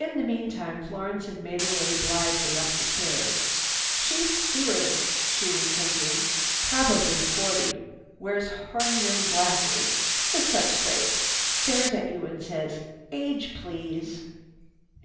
In the meantime Florence had made her way blithely up the stairs. "Chief stewardess," she was thinking, "probably forty, wears horn rim glasses, sits up straight, stares at you and says, 'Age please?